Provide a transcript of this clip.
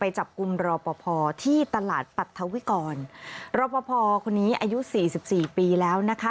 จับกลุ่มรอปภที่ตลาดปรัฐวิกรรอปภคนนี้อายุสี่สิบสี่ปีแล้วนะคะ